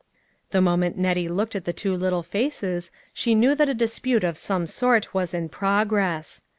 The moment Nettie looked at the two little faces, she knew that a dispute of some sort was in progi ess.